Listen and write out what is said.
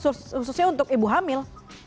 khususnya untuk ibu hamil